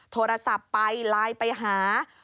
โทรศัพท์ไปไลน์ไปหา